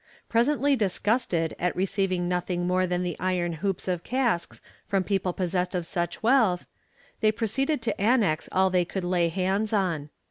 Presently disgusted at receiving nothing more than the iron hoops of casks from people possessed of such wealth, they proceeded to annex all they could lay hands on.